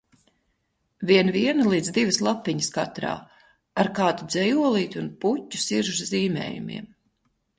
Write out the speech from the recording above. Vien viena līdz divas lapiņas katrā, ar kādu dzejolīti un puķu, siržu zīmējumiem.